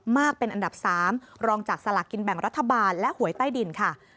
มากเป็นอันดับ๓รองจากสลากกินแบ่งรัฐบาลและหวยใต้ดินค่ะ